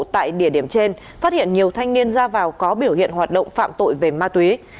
tại địa điểm trên phát hiện nhiều thanh niên ra vào có biểu hiện hoạt động phạm tội về ma túy